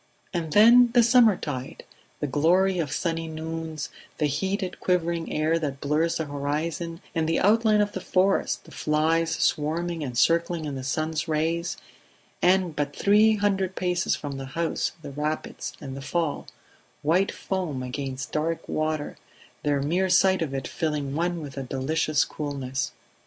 And then, the summertide; the glory of sunny noons, the heated quivering air that blurs the horizon and the outline of the forest, the flies swarming and circling in the sun's rays, and but three hundred paces from the house the rapids and the fall white foam against dark water the mere sight of it filling one with a delicious coolness.